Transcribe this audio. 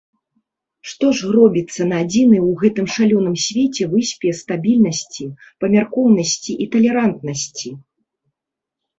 Што ж робіцца на адзінай у гэтым шалёным свеце выспе стабільнасці, памяркоўнасці і талерантнасці!